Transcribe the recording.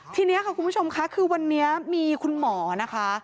ทีนี้ค่ะคุณผู้ชมค่ะคือวันนี้มีคุณหมอนะคะ